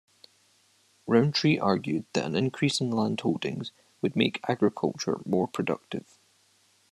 Rowntree argued that an increase in landholdings would make agriculture more productive.